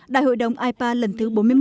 đại hội đồng ipa lần thứ bốn mươi một